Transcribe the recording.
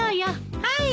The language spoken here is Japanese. はい。